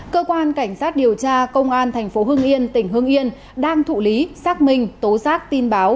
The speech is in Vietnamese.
cơ quan cảnh sát điều tra công an tp hương yên tỉnh hương yên đang thụ lý xác minh tố giác tin báo